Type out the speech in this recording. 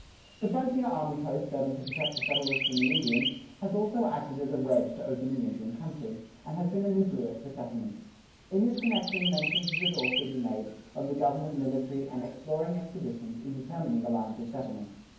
The frontier army post, serving to protect the settlers from the Indians, has also acted as a wedge to open the Indian country, and has been a nucleus for settlement.[16:3] In this connection mention should also be made of the government military and exploring expeditions in determining the lines of settlement.